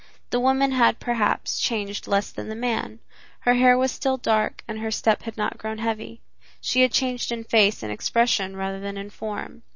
The woman had, perhaps, changed less than the man. Her hair was still dark and her step had not grown heavy. She had changed in face and expression rather than in form.